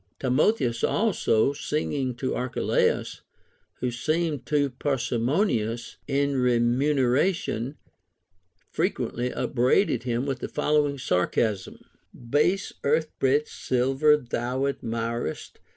Timotheus also, singing to Archelaus who seemed too parsimonious in remuneration, frequently upbraided him with the following sarcasm :— Base earth bred silver tliou admirest.